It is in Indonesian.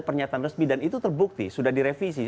pernyataan resmi dan itu terbukti sudah direvisi